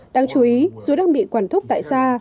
đáng chú ý dù đang bị quản thúc tại xa